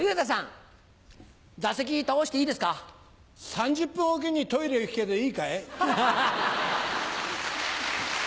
３０分置きにトイレ行くけどいいかい？